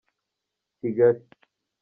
kigali.